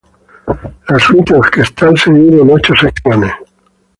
La suite orquestal se divide en ocho secciones.